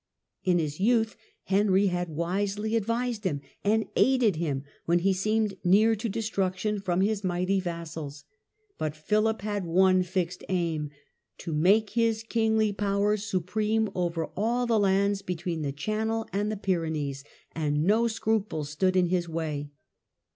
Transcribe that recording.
In his youth Henry had wisely advised him and aided him when he seemed near to destruction from his mighty vassals, but Philip had one fixed aim, — ^to make his kmgly power supreme over all the lands between the Channel and the Pyrenees, and no scruples stood in his way.